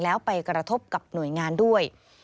แล้วไปกระทบกับหน่วยงานด้วย